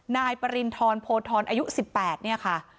นายปริณฑรโพธรอายุ๑๘เนี่ยค่ะ